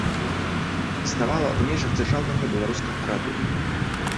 Існавала ў межах дзяржаўнага беларускага радыё.